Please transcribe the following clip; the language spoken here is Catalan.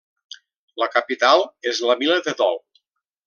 La capital és la vila de Dol.